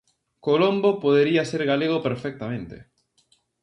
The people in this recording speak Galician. Colombo podería ser galego perfectamente.